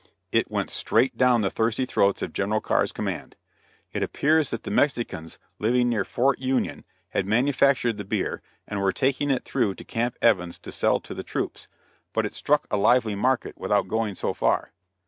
It went straight down the thirsty throats of General Carr's command. It appears that the Mexicans living near Fort Union had manufactured the beer, and were taking it through to Camp Evans to sell to the troops, but it struck a lively market without going so far.